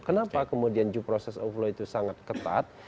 kenapa kemudian due process of law itu sangat ketat